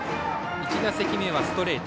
１打席目はストレート。